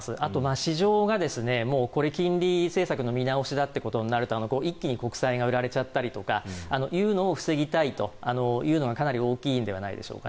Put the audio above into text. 市場が金融政策の見直しだとなると一気に国債が売られたりという状況を防ぎたいというのがかなり大きいのではないでしょうか。